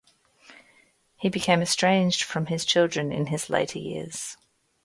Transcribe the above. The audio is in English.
He became estranged from his children in his later years.